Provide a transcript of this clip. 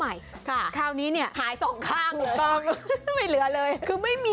ไม่มีอำเภอเณอร์โดยทดสอนอ้างบะหรอก